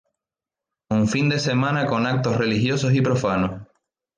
Un fin de semana con actos religiosos y profanos.